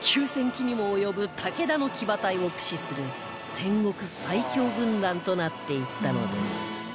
騎にも及ぶ武田の騎馬隊を駆使する戦国最強軍団となっていったのです